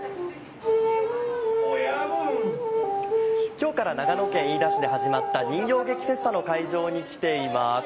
今日から長野県飯田市で始まった人形劇フェスタの会場に来ています。